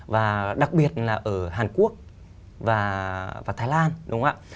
và đặc biệt là ở hàn quốc và thái lan